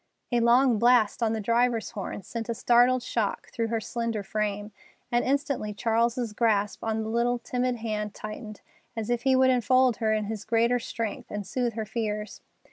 A long blast on the driver's horn sent a startled shock through her slender frame, and instantly Charles's grasp on the little, timid hand tightened, as if he would enfold her in his greater strength and soothe her fears.